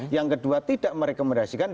yang kedua tidak merekomendasikan